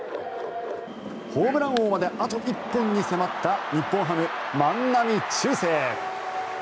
ホームラン王まであと１本に迫った日本ハム、万波中正。